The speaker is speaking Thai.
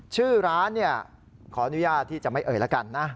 ชื่อร้านเนี่ยขออนุญาตที่จะไม่เอ่ยแล้วกันนะ